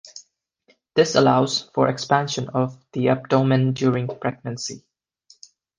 This allows for expansion of the abdomen during pregnancy.